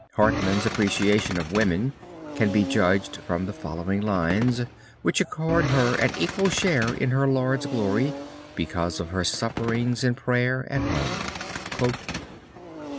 Hartman's appreciation of women can be judged from the following lines, which accord her an equal share in her lord's glory because of her sufferings in prayer at home.